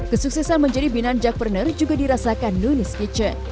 kesuksesan menjadi binan jack perner juga dirasakan nunez kitchen